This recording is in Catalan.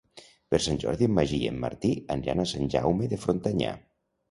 Per Sant Jordi en Magí i en Martí aniran a Sant Jaume de Frontanyà.